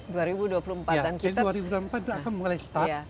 jadi dua ribu dua puluh empat itu akan mulai start